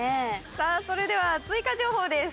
さあそれでは追加情報です。